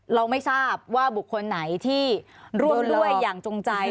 เราไม่ทราบว่าบุคคลไหนที่ร่วมด้วยอย่างจงใจ